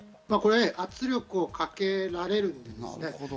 これ、圧力をかけられるんですね。